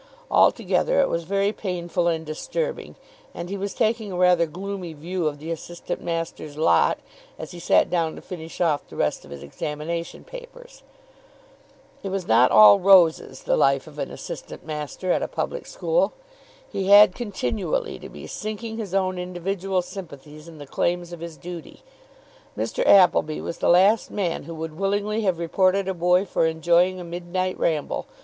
Altogether it was very painful and disturbing, and he was taking a rather gloomy view of the assistant master's lot as he sat down to finish off the rest of his examination papers. It was not all roses, the life of an assistant master at a public school. He had continually to be sinking his own individual sympathies in the claims of his duty. Mr. Appleby was the last man who would willingly have reported a boy for enjoying a midnight ramble.